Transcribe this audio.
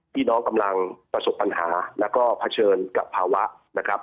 พี่น้องกำลังประสบปัญหาแล้วก็เผชิญกับภาวะนะครับ